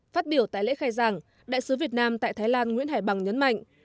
phát biểu tại lễ khai giảng đại sứ việt nam tại thái lan nguyễn hải bằng nhấn mạnh